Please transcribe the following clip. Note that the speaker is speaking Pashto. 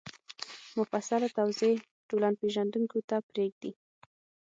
مفصله توضیح ټولنپېژندونکو ته پرېږدي